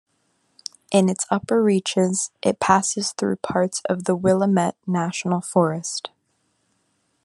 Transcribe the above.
In its upper reaches, it passes through parts of the Willamette National Forest.